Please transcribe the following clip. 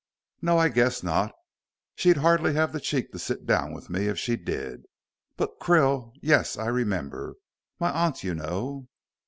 "No. I guess not. She'd hardly have the cheek to sit down with me if she did. But Krill. Yes, I remember my aunt, you know."